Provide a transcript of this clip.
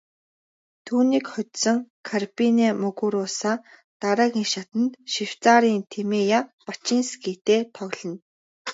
Түүнийг хожсон Гарбинэ Мугуруса дараагийн шатанд Швейцарын Тимея Бачинскитэй тоглоно.